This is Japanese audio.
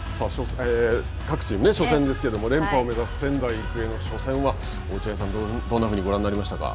各チーム初戦ですけど、連覇を目指す仙台育英の初戦は落合さん、どういうふうにご覧になりましたか。